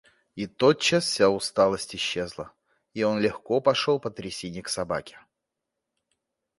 И тотчас вся усталость исчезла, и он легко пошел по трясине к собаке.